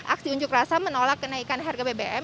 aksi unjuk rasa menolak kenaikan harga bbm